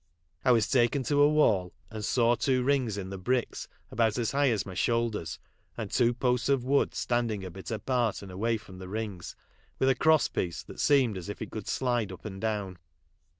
I was taken to a wall and saw two rings in the bricks about as hi<rh as mv shoulders and two posts of wood, standing a bit apart and away from the rings, witli a cross pieco that seemed as if it could slide up and down.